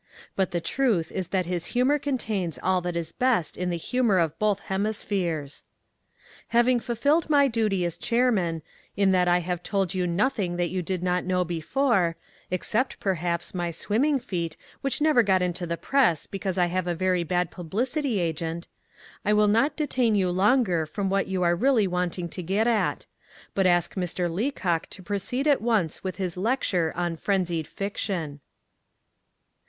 But the truth is that his humour contains all that is best in the humour of both hemispheres. Having fulfilled my duty as chairman, in that I have told you nothing that you did not know before except, perhaps, my swimming feat, which never got into the Press because I have a very bad publicity agent I will not detain you longer from what you are really wanting to get at; but ask Mr. Leacock to proceed at once with his lecture on "Frenzied Fiction."